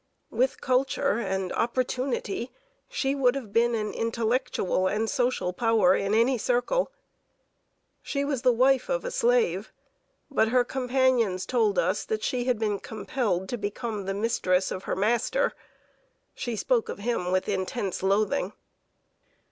With culture and opportunity, she would have been an intellectual and social power in any circle. She was the wife of a slave; but her companions told us that she had been compelled to become the mistress of her master. She spoke of him with intense loathing.